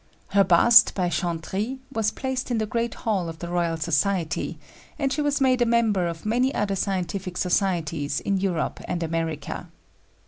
Her bust, by Chantry, was placed in the great hall of the Royal Society, and she was made a member of many other scientific societies in Europe and America.